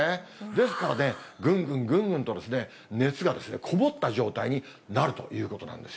ですからね、ぐんぐんぐんぐんと熱がこもった状態になるということなんですよ。